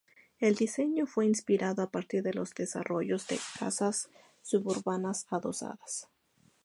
El diseño fue inspirado a partir de los desarrollos de casas suburbanas adosadas.